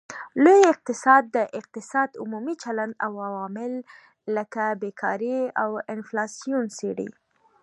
لوی اقتصاد د اقتصاد عمومي چلند او عوامل لکه بیکاري او انفلاسیون څیړي